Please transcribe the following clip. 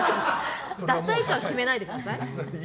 ダサいかは決めないでください。